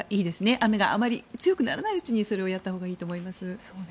雨があまり強くならないうちにそれをやったほうがいいと思います。